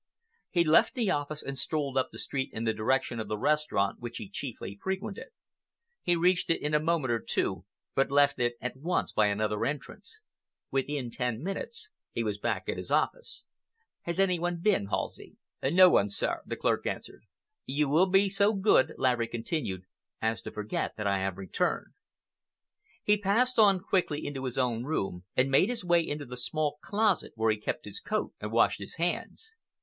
He left the office and strolled up the street in the direction of the restaurant which he chiefly frequented. He reached it in a moment or two, but left it at once by another entrance. Within ten minutes he was back at his office. "Has any one been, Halsey?" "No one, sir," the clerk answered. "You will be so good," Laverick continued, "as to forget that I have returned." He passed on quickly into his own room and made his way into the small closet where he kept his coat and washed his hands.